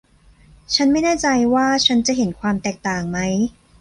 ฉันไม่แน่ใจว่าฉันจะเห็นความแตกต่างมั้ย